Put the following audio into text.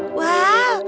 ini adalah hadiah untukmu